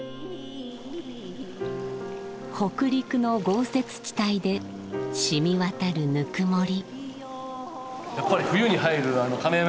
北陸の豪雪地帯でしみ渡るぬくもり。